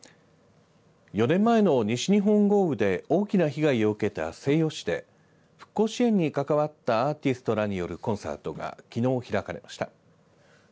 ４年前の西日本豪雨で大きな被害を受けた西予市で復興支援に関わったアーティストらによるコンサートがきのう開かれました。